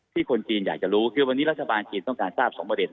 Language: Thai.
ที่คนจีนอยากรู้ว่าวันนี้ราชบาลกิจต้องราบ๒ประเด็น